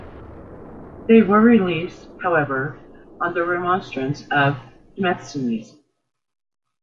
They were released, however, on the remonstrance of Demosthenes.